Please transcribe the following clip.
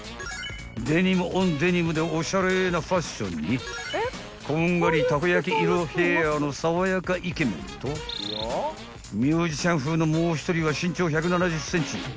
［デニムオンデニムでおしゃれなファッションにこんがりたこ焼色ヘアの爽やかイケメンとミュージシャン風のもう１人は身長１７０ｃｍ］